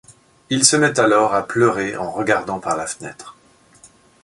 Il se met alors à pleurer en regardant par la fenêtre.